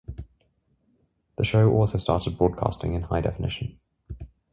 The show also started broadcasting in high-definition.